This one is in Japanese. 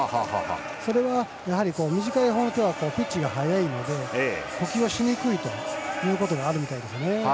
それは、短いほうの手はピッチが速いので呼吸をしにくいということがあるみたいですね。